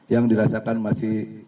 yang dirasakan masih